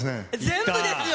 全部ですよ。